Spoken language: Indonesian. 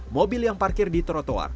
mobil yang parkir di trotoar